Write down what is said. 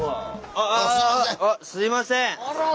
あすいません。